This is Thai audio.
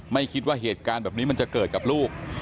ไม่คิดว่าเหตุการณ์แบบนี้มันจะเกิดกับลูก